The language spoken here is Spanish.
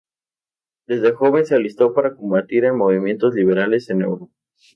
Desde joven se alistó para combatir en movimientos liberales en Europa.